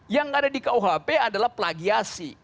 yang ada di kuhp adalah plagiasi